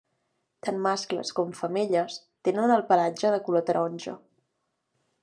Tan mascles com femelles tenen el pelatge de color taronja.